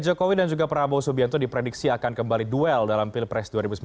jokowi dan juga prabowo subianto diprediksi akan kembali duel dalam pilpres dua ribu sembilan belas